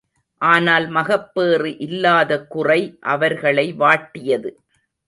ஆனால் மகப்பேறு இல்லாத குறை அவர்களை வாட்டியது.